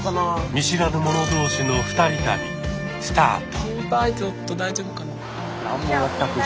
見知らぬ者同士の二人旅スタート。